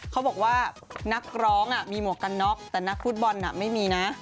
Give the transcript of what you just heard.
เขาบอกว่านักร้องมีหมวกกันน็อกแต่นักฟุตบอลไม่มีนะ